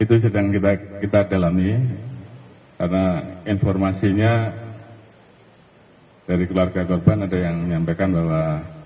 itu sedang kita dalami karena informasinya dari keluarga korban ada yang menyampaikan bahwa